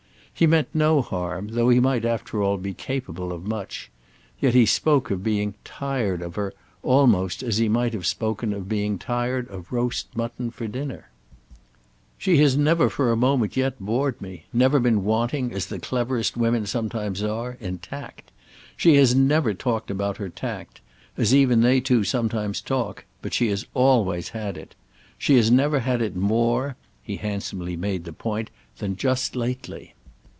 He meant no harm, though he might after all be capable of much; yet he spoke of being "tired" of her almost as he might have spoken of being tired of roast mutton for dinner. "She has never for a moment yet bored me—never been wanting, as the cleverest women sometimes are, in tact. She has never talked about her tact—as even they too sometimes talk; but she has always had it. She has never had it more"—he handsomely made the point—"than just lately."